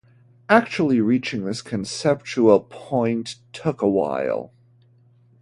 Actually reaching this conceptual point took a while.